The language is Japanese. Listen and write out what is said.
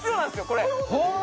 これ。